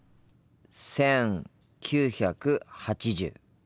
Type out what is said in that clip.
１９８０。